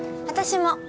私も。